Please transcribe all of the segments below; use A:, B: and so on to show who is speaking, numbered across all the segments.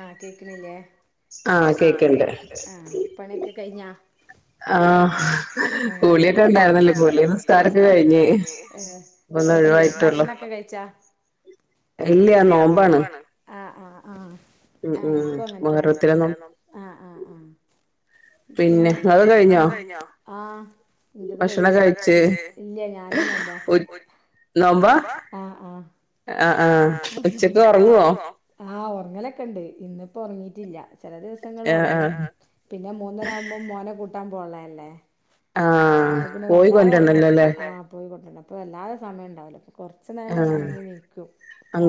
A: ആഹ് കേക്ക്ണില്ലേ? ആഹ് കേക്ക്ണ്ട് ഉം പണിയൊക്കെ കഴിഞ്ഞാ?
B: ആഹ് കൂളിയൊക്കെ ഇണ്ടായിരുന്നല്ലോ കൂളി ന്നിസ്കാരൊക്കെ കഴിഞ്ഞ് ഹ്.
A: [inaudible] ഭഷ്ണൊക്കെ കഴിചോ?
B: ഇല്ല്യാ നോമ്പാണ്.
A: ആഹ് ഇക്കും അങ്ങത്തെന്നെ ആഹ് ആഹ് ആഹ്. പിന്നെ ഇങ്ങളതൊക്കെ കഴിഞ്ഞോ ആഹ്. ഇന്റത് കഴിഞ്ഞ് ഭക്ഷണംകഴിച് ഇല്ല ഞാനും നോമ്പ. നോമ്പാ? ആഹ് ആഹ് ഉച്ചക്കെങ്ങോ? ആഹ് ഉറങ്ങലൊക്കെണ്ട് ഇന്ന്പ്പോർങ്ങിട്ടില്ല ചെല ദിവസങ്ങളോർങ്ങും പിന്നെ മൂന്നരാവും. നം മോനെ കൂട്ടാൻ പോണതല്ലേ ആഹ് അപ്പൊപിന്നെ വല്ലാതോർങ്ങാൻ ആഹ് പോയികൊണ്ടെര്ണം. ഇപ്പോ വല്ലായെ സമയംണ്ടാവ് ലപ്പോ. കൊർച്ച് ന്നെരം പർഞ്ഞേ നിൽക്കും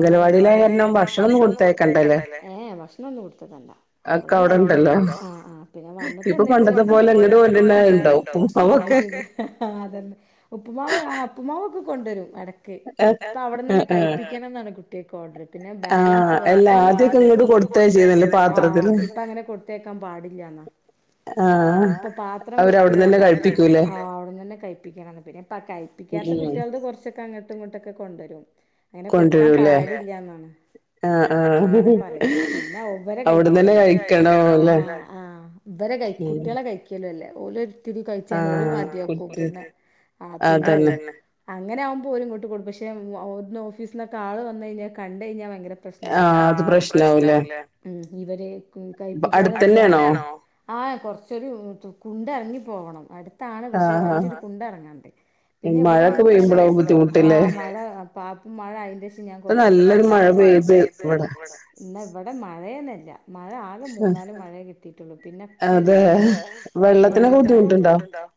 A: [inaudible] അംഗലവാടിയായ കാരണം ഭക്ഷ്ണൊന്നും കൊട്ത്തയക്കണ്ട. ലലെ ഏഹ് ഭക്ഷണോന്നും കൊടുത്തതയക്കണ്ട അവിടെന്ന്കഴിക്ക്ണ് ഒക്കെവ്ണ്ട്ണ്ടല്ലോ ആഹ് ആഹ്പിന്നെ പിന്നെ വന്ന്ട്ട്.
B: ഇപ്പൊ പണ്ടത്തെ പോലെ [unintelligible] ഉപ്പും മതോക്കെ.
A: ആഹ് ആഹ് അതന്നെ ഉപ്പുമാവ് ആഹ് ഉപ്പുമാവൊക്കെ കൊണ്ടരും എടക്. ക്കെ ടാവ്ടന്നെ കഴിപ്പിക്കണംന്നാണ് കുട്ട്യാക്ക് ഓഡറ് പിന്നെ ബാലൻസ് വെക്ക്ണത് ആഹ് എല്ലാ കൊൺ ദ്യക്കെ കൊടുത്തയച്ചിനല്ലോ പാത്രത്തില് ഇപ്പ അങ്ങനെ കൊടുത്തേക്കാൻ പാടില്ലന്നാ. അഹ് ഇപ്പൊ പാത്രം കൊടുത്തവിടാൻ പറിം അവര് അവ്ട്ന്നെനെ കഴിപ്പിക്കുംലെ ആഹ് അവ്ട്ന്നേനെ കഴിപ്പിക്കണംന്ന് പിന്നെ. പ്പ കഴപ്പിക്കാത്ത കുട്ട്യാളത് കുറച്ചൊക്കെ അങ്ങത് ട്ട്ങ്ങ്ട്ടൊക്കെ കൊണ്ടരും അങ്ങനെ കൊട്ക്കാൻ പാടില്ലന്നാണ് ആ ആ പിന്നവരെ കയ്ക്കലല്ലേ അവ്ട്ന്നെനെ കയ്ക്കണം ലെ ആ ആ ഇവരെ കൈ കുട്ട്യാളെ കഴിക്കയ്ക്കല ല്ലെ ഓലൊരുത്തിരി കയ്ച്ചാണ്ട് ഓല് മാറ്റി വെക്കും പിന്നെ ആ പിന്നെ ആ അതെന്നെ അങ്ങനാവുമ്പോ ഓല് ഇങ്ങോട്ട് കൊട്ക്കും പഷെ ഉം ട്ന്ന് ഓഫീസ്ന്നൊക്കെ ആള് വന്നഴ്‌ഞ്ഞാ കണ്ടഴ്ഞ്ഞാ ഭയങ്കര ആ പ്രശ്നാവുംലെ ഉം ഇവര്ക്കും കഴിപ്പിക്കാതെ വിടാണ് അട്ത്തെന്നെണോ ആ കൊർച്ചൊരു തു കുണ്ടെർങ്ങി പോവണം അട് ത്താണ് പഷെ വല്ല്യരു കുണ്ടെർങ്ങാണ്ട് പിന്നെ ഇവടെങ്ങനെ [unintelligible] ബുദ്ധിമുട്ട്ലെ ആഹ് മഴ അയിന്റെഷം ഞാൻ കൊറച്ചോസൊക്കെ ഇപ്പൊന്നല്ലൊരു മഴപ്പെയ്യ് ന്ന ഇവടെ മഴെന്നെല്ല മഴ ആകെ മൂന്നാല് മഴേ കിട്ടീറ്റുള്ളു പിന്നൊക്കെ വെയ്ല
B: വെള്ളത്തിനൊക്കെ ബുദ്ധിമുട്ട്ണ്ടോ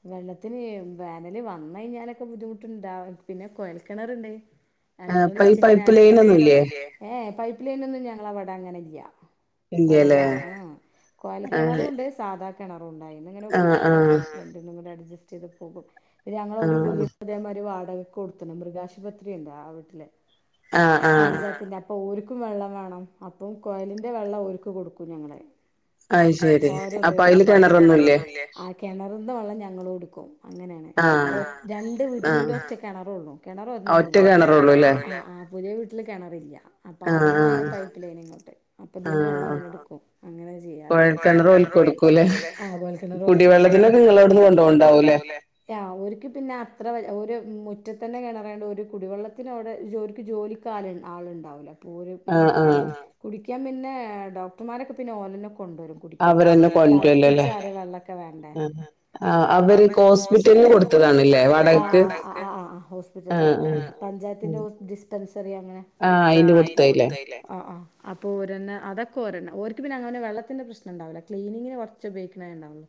A: വെള്ളത്തിന് വേനല് വെന്നയ്ഞ്ഞാലൊക്ക ബുദ്ധിമുട്ടുണ്ടാ പിന്നെ കൊയൽ കെണറ്ണ്ട് രണ്ട് മണി വെച്ച് ങ്ങനെ അട്ച്ചാ പൈപ്പ് ലൈനൊന്നും ഇല്ലേഏ പൈപ്പ്ലൈനൊന്നും ഞങ്ങളെവടങ്ങനെല്ല കൊറവാണ് കൊയൽക്കെണറുണ്ട് സാധാ കെണറുണ്ടയ്ന്ന്ങ്ങനെ ഒപ്പിച്ച് ആ ആ രണ്ട്ന്നും കൂടെ അഡ്ജസ്റ്റ് ചെയ്ത് പോകും പിന്നെ ഞങ്ങളൊരു വീട് അതേമാതിരി വാടകകൊടുത്തിന് മൃഗാശുപത്രിണ്ടാ ആ വീട്ടില് പഞ്ചായത്തിലാ അപ്പോര്ക്കും വെള്ളം വാണം അപ്പോ കൊയലിന്റെ വെള്ളം ഓരുക്ക് കൊടുക്കും ഞങ്ങള്
B: അയ്ശെരി അപ്പയ്ല് കെണറൊന്നുല്ലേ
A: ആ കെണറിന്ന് വെള്ളം ഞങ്ങളുംട്ക്കും അങ്ങനെണ് രണ്ട് വീട്ട്നും കൂടി ഒറ്റ കെണറൊള്ളു കെണറൊന്നുള്ളു ആ ആ പുതിയ വീട്ടില് കെണറില്ല അപ്പൊ അവ്ട്ന്നാണ് പൈ പ്പ് ലെയ്നിങ്ങുണ്ട് അപ്പൊ തീന്ന് വെള്ളം ങ്ങനെട്ക്കും അങ്ങനേണ് ചെയ്യാറ് കൊടുക്കൂലെ ആ അതു പോലെ തന്നെ റോട്ട്കൂടി കുടി വെള്ളത്തിന് നിങ്ങളോട്ന്ന് കൊണ്ടോണ്ടാവൂല്ലേ ല്ലാ ഓര്ക്ക് പിന്നെ അത്ര വ ഓര് മുറ്റത്തെന്നെ കെണറായോണ്ട് ഓര് കുടിവെള്ളത്തിനവടെ ജോര്ക്ക് ജോലി ക്കാല് ആള്ണ്ടാവൂല പൂര് ആ ആ കുടിക്കാൻ പിന്നെ ഡോക്ടർമാരൊക്കെ പിന്നെ ഓലെ കൊണ്ടുരും കുടിക്കാള്ള വെള്ളം തെള്പ്പിച്ചാറിയ വെള്ളൊക്കെ വേണ്ടേ അവര് കോസ് സ്പിറ്റലിന് കൊട്ത്തതാണ്ല്ലേ വാടകക്ക് ആ ആ ഹോസ്പിറ്റലിന് വാടകക്ക് ആ പഞ്ചായത്തിന്റെ ഹോസ് ബിസ് [unintelligible] അങ്ങനെ
B: ആ അയിന്റെ കൊട്ത്തത്ലെ
A: ല്ലേ ആ ആ അപ്പൊ ഓരെന്നെ അതൊക്കോരെന്നെ ഓര്ക്ക് പിന്നെ അങ്ങനെ വെള്ളത്തിന്റെ പ്രശ്നണ്ടാവുല്ല ക്ലീനിങ്ങിന് കൊർ ച്ച് ഉപയോഗിക്കണേണ്ടാവുള്ളു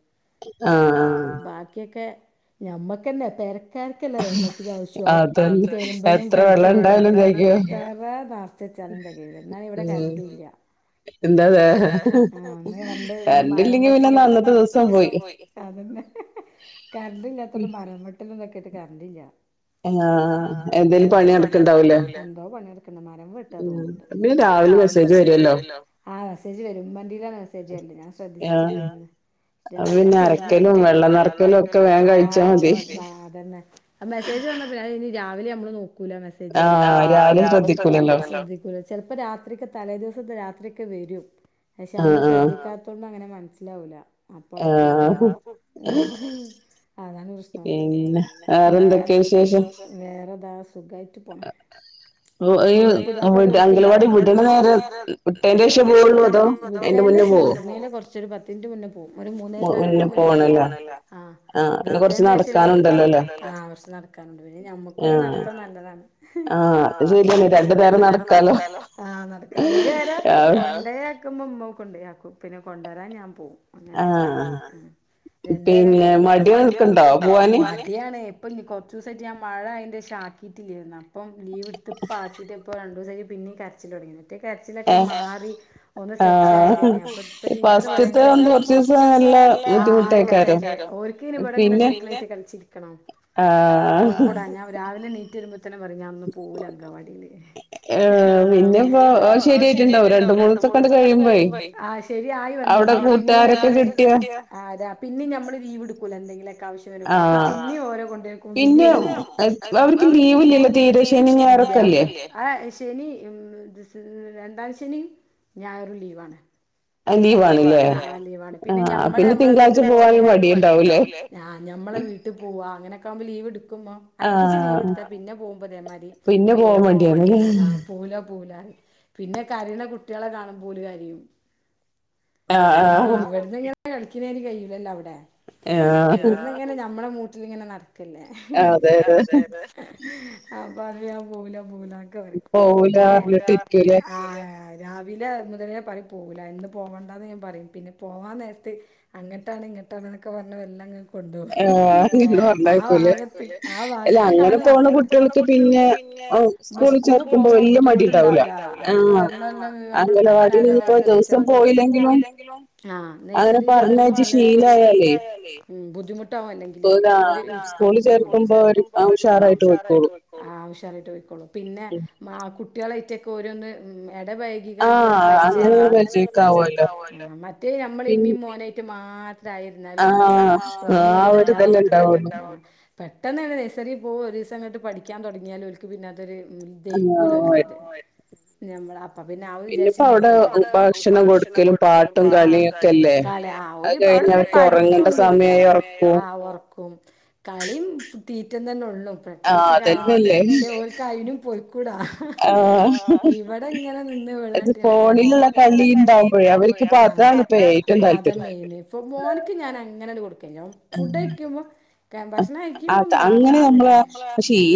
A: ആ ആ ബാക്കിയൊക്കെ ഞമ്മക്കെന്ന തെര ക്കാര്ക്കല്ലെ വെള്ളത്തിന്റാവശ്യം തിര്മ്പലും കുളിക്കലും തെരക്കല്ലെ എത്ര നർച്ചെച്ചാ ച്ചാലും തെകയൂല ന്നാണെ ഇവടെ കറൻറ്റൂല്ല
B: എന്താതെ കറൻറ്ല്ലെങ്കി പിന്നെ ന്ന അന്നത്തെ ദിവസം പോയി
A: അതെന്നെ കറൻറ് ഇല്ലാത്തോണ്ട് മരം വെട്ടലുംതൊക്കായിട്ട് കറൻറ്ല്ല ആ എന്തേലും പണി നടക്ക്ണ്ടാവുല്ലേ എന്തോ പണിനടക്ക്ണ്ട് മരം താ തോന്നുണ്ട് പിന്നെ രാവിലെ മെസ്സേജ് വെരുല്ലോ ആ മെസ്സേജ് വെരും മ്മന്റെലാ മെസേജ് വെര്ല് ഞാൻ സ് ശ്രദ്ധിച്ചിട്ടില്ലേന്നു
B: അത് പിന്നെ അരക്കലും വെള്ളം നറക്കലൊക്കെ വേം കയ്ച്ചാ മതി
A: ആ അതെന്നെ മെസ്സേജ് വന്നത് അത് പിന്നെ രാവിലെ ഞമ്മള് നോക്കൂല മെസേജ് ആ രാവിലെ ശ്രദ്ധിക്കു ട്ടം ശ്രദ്ധിക്കൂല ചെൽപ്പോ രാത്രിക്ക് തലേ ദിവസം രാത്രിയൊക്കെ വെരും പക്ഷെ മ്മള് ശ്രദ്ധിക്കാത്തോണ്ട് അങ്ങനെ മൻസ്സിലാവൂല അപ്പട്ട്ട് പോം
B: പിന്നെ വേറെന്തൊക്കെ വിശേഷം
A: വേറെതാ സുഖായിട്ട് പോണ്
B: ഓ യ്യ് വിട അങ്കലവാടി വിട്ണ നേരം വിട്ടേന്റെഷം പോവൊള്ളൊ അതോ
A: വിട്ടേന്റെശല്ല വിട്നേന്റെ കൊർച്ചൊരു പത്ത്ൻറ്റ് മുന്നേ പോവും ഒരു മൂന്നേകാലൊക്കാവുമ്പോ ഞാൻ പോവും ആ ആ വിട്ടേന്റേഷം ആ കൊർച്ച് നടക്കാനുണ്ട് പിന്നെ ഞമ്മക്കൊരു നടത്തം നല്ലതാണ്
B: ആ അത് ശെരി
A: അത് ശെരിയാണ് രണ്ട് നേരം നടക്കാലോ ആ നടക്കാ ഒരേരം കൊണ്ടെ ക്കുമ്പംമ്മ കൊണ്ടോയാക്കും. പിന്നെ കൊണ്ടരാൻ ഞാൻ പോവും അങ്ങനെ ചെയ്യാ ആ രണ്ടേര പിന്നെ മടിയൊക്കണ്ടോ പോവാന് ടിയാണ്, പ്പം ന്നി കൊർച്ചൂസായിട്ട് ഞാൻ മഴായേന്റെശാക്കിറ്റില്ലെരുന്നാ അപ്പം ലീവ്ട്ത്ത്പ്പ ആച്ചിട്ടേ പ്പ രണ്ടുസായിട്ട് പിന്നീം കരച്ചിലൊട്ങ്ങിണ് ഈ കര്ച്ചിലൊക്കെ മാറി ഒന്ന് സെറ്റായതേനി. ഇപ്പ ടീച്ചറ് പറയ ങ്ങള് കൊറച്ചുസം നല്ല ആഹ് കെതേ [unintelligible] ഓര്ക്ക് ഇനി ഇവിടെ ഇങ്ങനെ [unintelligible] കളിച്ചിരിക്കണോ
B: ആഹ് ആഹ്
A: രാവിലെ എണീറ്റുവരുമ്പോ തന്നെ പറയും ഞാ ഇന്ന് പോവൂല അങ്കാവാടി
B: ഏഹ് പിന്നെപ്പോ അത് ശരിയായിട്ടുണ്ടാവും രണ്ട് മൂന്ന് ദിവസം ഒക്കണ്ട് കഴിയുമ്പഴേ
A: ശരിയായി വന്നിനി പിന്നിം ഞമ്മള് ലീവ്ട്ക്കൂലോ എന്തെങ്കിലൊക്കെ ആവശ്യ. അപ്പ പിന്നെ ഓര കൊണ്ടാ യാക്കും പിന്ന അവർക്ക് ലീവില്ലല്ലൊ തീരെ ഇല്ല ശനിയും ഞായറും ഒക്കല്ലെ ആ ശനി ഉം... ഉം ഉം.. രണ്ടാം ശനി ഞായറും ലീവാണ്. അഹ് ലീവാണ് ലേ, ആഹ് ലീവാണ്. പിന്നെ ഞമ്മള് ഞമ്മളെ വീട്ടിൽ പോണെന്, തിങ്കളാഴ്ച പോവാനും മടിണ്ടാവും ലെ ഞാഞമ്മെളെ വീട്ടിൽ പോവാ അങ്ങനൊക്കാവുമ്പോ ലീവ്ട്ക്കുമ്പോ അട്പ്പിച്ച് ലീവ്ട്ത്ത പിന്നെ പോവുമ്പോ തേമാരി
B: പോവാൻ മടിയാണ്ല്ലേ
A: പോവൂല പോവൂല റിം. പിന്നെ കരയ്ണ കുട്ട്യാളെ കാണുമ്പൊ ഓല് കരയും അ ആഹ് പിന്നെ ഇവിടുന്ന് ഇങ്ങനെ കളിക്കുന്നേന് കയൂലല്ലോ അവിടെ. ഇവട്ന്ന്ങ്ങനെ ഞമ്മടെ മൂട്ടിലിങ്ങനെ നട്ക്കല്ലേ അപ്പത് ഞാൻ പോകൂല പോവൂലാനൊക്കെ പറിം. പിന്നെ. പോവൂലാർഞ്ക്കലേ രാവിലെ മുതലേ പറിം പോവൂലാന്ന്, ഇന്ന് പോവണ്ടാന്ന് ഞാൻ പറിം. പിന്നെ പോവാൻ നേരത്ത്. അങ്ങട്ടാണ് ഇങ്ങട്ടാണ്ന്നൊക്കെ പർഞ് വെല്ലങ്ങ് കൊണ്ടോവും. ആ ഭാഗത്ത് ആ ഭാഗത്ത് ക്കാണ് നടക്ക് [inaudible] പിന്നെ സ്കൂളിൽ പോകുമ്പോ ബുദ്ധിമുട്ടുണ്ടാവില്ല. അപ്പോ വരണ്ട നമ്മളിപ്പോ എങ്ങനാല... ഒരു ദെവസം പോയില്ലെങ്കിലും ആഹ് നെയ്സറി ചേർത്തുമ്പ പിന്നോര്ക്കൊരു ശീലായാലേ ഉം ബുദ്ധിമുട്ടാവും അല്ലെങ്കില്, സ്കൂളിൽ ചേർത്തുമ്പോ അവര് ഉഷാറായിട്ട് പൊയ് ആഹ് ഉഷാറായിട്ട് പോയ്ക്കോളും. പിന്നെ മാ കുട്ട്യാളായിറ്റൊക്കെ ഓരോന്ന് ഇടപൈക ഇ കാണ്ട്ള്ളൊരു പരിചയ ആ പരിജയൊക്കാവല്ലൊ. മറ്റെ ഞമ്മള് മ്മിം മോനയ് ട്ട് മാത്രായിരുന്നാലോൽക്ക് ഒന്നു ഒരിത്ണ്ടാവുലാ. ആഹ് ആഹ് ഒരു തല്ലെണ്ടാവൊള്ളൂ പെട്ടെന്നന്നെ നയ്സറിയിൽ പോവും ഒരു ദിവസം അങ്ങോട്ട് പഠിക്കാൻ തൊട്ങ്ങിയാല് ഓൽക്ക് പിന്നതൊര് ദയ്ക്കൂല ഓൽക്കത് ഞമ്മള് അപ്പ പ്പിന്ന ആവു ചാരിച്ച് ങ്ങന കൊണ്ടൊരു ഇപ്പവട ഭക്ഷണം കൊട്ക്കലും പാട്ടും ആ കല ആഹ ഒരു അവിടെ പിന്ന പഠിത്തൊന്നുംല്ല ആ ഒർക്കും കളിം തീറ്റം തന്നൊള്ളൂ.
B: ആഹ് അതന്നല്ലേ
A: ഓൽക്കയ്‌നും പൊയ്ക്കൂട ആഹ് ഇവിടെങ്ങനെ നിന്ന് വടാ ട്ടെട്‌ക്കാന് [unintelligible] താണ് പേക മെയിന് മോന്ക്ക് ഞാനങ്ങനട് കൊടുക്കല്ല ഫുഡ്ഡയിക്കുമ്പം [unintelligible] ഭക്ഷണം കയ്ക്കുമ്പം അങ്ങനെ നമ്മള്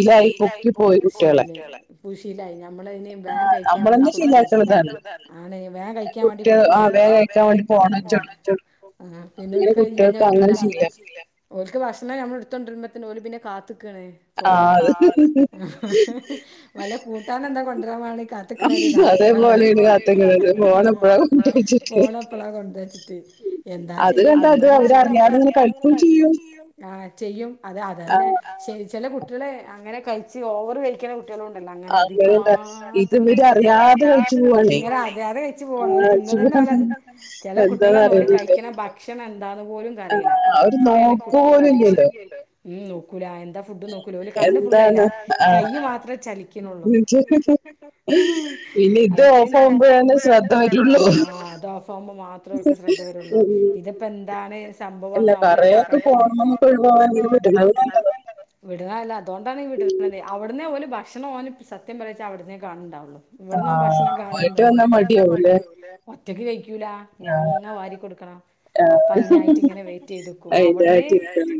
A: ശീലായി പോയ് കുട്ട്യള് പൂശിലായി ഞമ്മളെനി വേം കഴിക്കാൻ വേണ്ടി കൊടുക്കും [unintelligible] ആണെ വേം കഴിക്കാൻ വേണ്ടി കൊടുക്കും
B: ആഹ് വേം കഴിക്കാൻ വേണ്ടി ഫോണെച്ചൊടുക്കും
A: ആഹ് പിന്നോൽക്കയില്ലാഞ്ഞാ അറ്റൂല പങ്ങന ശീലാ ഓൽക്ക് ഭക്ഷണം നമ്മള്ടുത്തൊണ്ട്രുമ്പത്തന്നെ ഓല് പിന്നെ കാത്ത്ക്കണ്‌.
B: ആഹ്
A: വല്ല കൂട്ടാനന്താ കൊണ്ട്രാമാണ്ടി കാത്ത് ക്ക്ണാരി കാത്തിക്കണണ്ടാല് ഫോണെപ്പളാ കൊണ്ട്രാച്ചിട്ട്, എന്താ ചെയ്യാ നമ്മളെന്നെ ശീലാക്കി ഞാൻ ത് ങ്ങനെ കളിക്കും ചെയ്യും ആഹ് ചെയ്യും അതെ അതന്നെ കുട്ട്യേളെ അങ്ങനെ കഴിച്ച് ഓവർ കഴി ക്ക്ണ കുട്ട്യോളുണ്ടല്ലോ അങ്ങനെ അത്ക്ക് മാത്രം നോക്യാണ്ട്. ഇതിവരറിയാതെ കഴിച്ച് പൂവേയ്.. ങ്ങനെ അറിയാതെ ച്ച്പോവാണ്. ഓല് തിന്നതെന്നെ ഓലെ ൻ, ചെല കുട്ടികളന്നുംഓല് കഴിക്കണ ഭക്ഷണം എന്താന്ന് പോലും കരയില്ല അത്രയാണ് കുട്ടികളുടെ അടിക്ഷൻ ഉം നോക്കൂല എന്താ ഫുഡ് നോക്കൂലഓല് കണ്ണ് ഫുള്ള് അതിലാ കൈ മാത്രമേ ചലിക്കണള്ളൂ
B: ഇത് ഓഫ് ആകുമ്പോഴെ ശ്രദ്ധ വരുള്ളൂ
A: അത് ഓഫ് ആകുമ്പോൾ മാത്രം ത്ര ശ്രദ്ധ വരുള്ളൂഇതിപ്പോ എന്താണ് സംഭവം അവല എന്താ
B: പോകണംമന്നൊ ഒഴിവാൻ കിട്ടില്ല അത് നല്ലത്
A: വിടുവല്ല അതുകൊണ്ടാണ് വിടണത് അവിടേ പോലെ ഭക്ഷണം ഓ സത്യം പറഞ്ഞ അവിടന്നേ കാണണ്ടാവുള്ളു ഇവിടെന്ന ഭക്ഷണം കാണൻന്ത ഒറ്റക്ക് കഴിക്കൂല ഞാൻ തന്നെ വാരി കൊടുക്കണം അപ്പൊ അതിനായിട്ട് ഇങ്ങനെ വെയിറ്റ് ചെയ്തുക്കും അവിടുന്ന്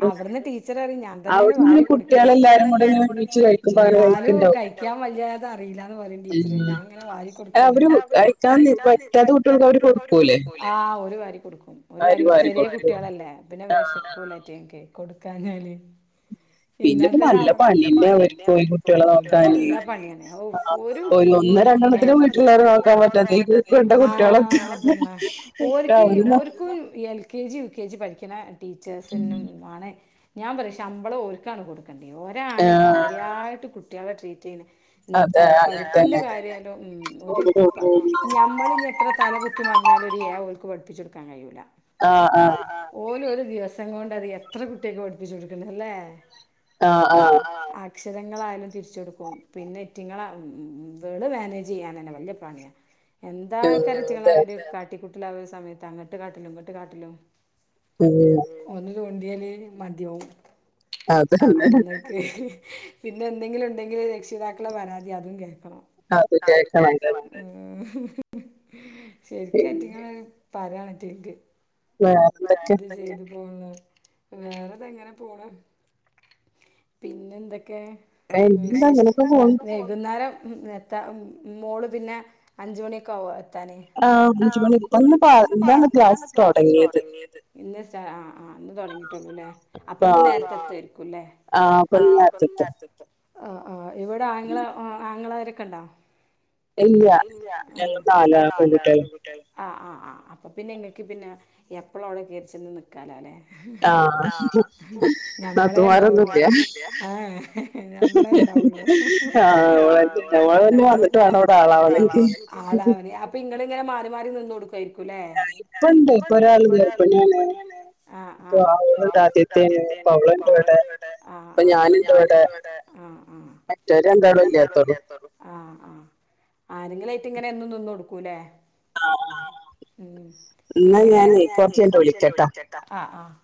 A: അവിടുന്ന് ടീച്ചർറ ഞാൻ തന്നെയാണ്
B: കുട്ടികളെല്ലാരും കൂടെങ്ങനെ
A: എന്നാലും കഴിക്കാൻ വല്ത അറിയില്ലാന്ന് പറയും ടീച്ചര് ഞാൻങ്ങനെ വാരി കൊടുക്കാണ്
B: കഴിക്കാൻ പറ്റാത്ത കുട്ടികൾക്ക് അവര് കൊടുക്കൂല്ലേ
A: ആ ഒരു വാരി കൊടുക്കും ഒരു വാരി ചെറിയ കുട്ടികളല്ലേ പിന്നെ വിശക്കു ലെ മറ്റെയിൽ ക് കൊടുക്കാനാല്
B: പിന്നെ നല്ല പണി ഉണ്ട്
A: പണിയന്നാണ് അവർക്കും അവർക്കും നല്ല പണി തന്നെ ഔ ഒരു കീ കഴിഞ്ഞ് വീട്ടിലെ പിള്ളേരെ നോക്കാൻ പറ്റാത്ത ആ അതന്നെ ഓൽക്ക് ഒരുക്കും L K - K G U K G പഠിക്കുന്ന ടീച്ചേഴ്സിനും ആണ് ഞാൻ പറയും ശമ്പളം ഒരുക്കാണ് കൊടുക്കും ഒരാണ് കാര്യായിട്ട് കുട്ടികളെ ട്രീറ്റ് ചെയ്യണ ഉ പഠിപ്പിന്റെ കാര്യാലും ഉ ഒരു ഞമ്മൾ ഇനിഎത്ര തല കുത്തിമറീഞ്ഞലു ഒരു എ പഠിപ്പിച്ചെടുക്കാൻ കഴയൂ ല ഹ ഹ ഓല് ഒരുദിവസം കൊണ്ട് അത് എത്ര കുട്ടിയക്കെ പഠിപ്പിച്ചച്ച് കൊടുക്കണല്ലേ
B: ആഹ് ആ
A: അക്ഷരങ്ങളായാലും തിരിച്ച കൊടുക്കും പിന്നെ എറ്റിങ്ങളെ വെള് മാനേജ് ചെയ്യൻ തന്നെ വലിയ പണിയ
B: [inaudible]
A: എന്താ കരച്ചികള ഒരു കാട്ടിക്കൂട്ടില ആ ഒരു സമയത്ത് അങ്ങോട്ട് കാട്ടിലും ഇങ്ങോട്ട് കാട്ടിലോ ഒന്ന് തോണ്ടിയല് മദ്യവും അന്നൊക്കെ പിന്നെ എന്തെങ്കിലും ഉണ്ടെങ്കില് രക്ഷിതാക്കള പരാതി അതും കേൾക്കണം അതും കേക്കണം ഉ ശരിക്കായിറ്റങ്ങരു പറരണ്റ്റക്ക് ഇത്ചെയ്തു പോന്നു വേറെതെങ്ങനെ പോണു പിന്നെ എന്തൊക്കെ
B: കഴിഞ്ഞില്ല അങ്ങനൊക്കെ പോണു
A: വൈകുന്നേരം എത്താ മോള് പിന്നെ അഞ്ച് മണിയൊക്കെ ആ വോഎത്താനേ
B: ആ അഞ്ചുമണിയോ
A: പടത്താന് ക്ലാസ്സ്‌ തുടങ്ങിയത് ഇന്ന് ആ ആ്ന്ന് തുടങ്ങിട്ടുള്ളൂല്ലേ അപ്പൊ ഇന്ന് നേരത്തെ എത്തരിക്കുംല്ലേ
B: ആ ഇപ്പന് നേരത്തേത്തും
A: ആഹ് ആഹ് ഇവിടെ ആങ്ങള ആങ്ങളമാരൊക്കെ ഉണ്ടോ ഇല്ല ഞങ്ങൾ നാല് പെൺകുട്ടികള് ആ ഹ്ആഹ് ആ അപ്പം പിന്നെ നി ങ്ങൾക്ക് പിന്നെ എപ്പോളും അവിടെ കയറി ചെന്ന് നിൽ നിക്കാലോലല്ലേ ഞമ്മളെ ഉണ്ടാവു നാത്തൂമാരൊന്നും ഇല്ല്യ ആഹ് ഞമ്മളെ ഉണ്ടാവുളു അപ്പാണ് അവിടെആളാവല് അപ്പൊ ഇങ്ങ ഇങ്ങനെ മാറി മാറി നിന്ന്കൊടുക്കുവായിരിക്കും ല്ലേ ഇപ്പണ്ട് ഇപ്പ ഒരാള് ഗർഭിണിയാണ് അപ്പൊ അവള് ദ്ആദ്യത്തെന് ഇപ്പവളെണ്ട് ഇവിടെ ഇപ്പോ ഞാനിണ്ട് വിടെ ആഹ് ആ
B: മറ്റോര് രണ്ടള് ഇല്ലാത്തുള്ളൂ
A: ആഹ് ആഹ് ആരെങ്കിലുമായിട്ട് ഇങ്ങനെ എ ന്നും നിന്നു കൊടുക്കൂല്ലേ ആഹ് ഉം പിന്നെങ്ങനെ എന്നാ ഞാനെ കുറച്ചയിഞ്ഞിട്ട് വിളിക്കാട്ടാ ആഹ് ആഹ്